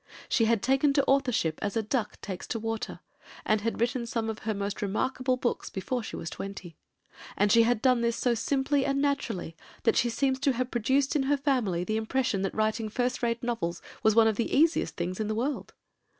She had taken to authorship as a duck takes to water, and had written some of her most remarkable books before she was twenty; and she had done this so simply and naturally that she seems to have produced in her family the impression that writing first rate novels was one of the easiest things in the world.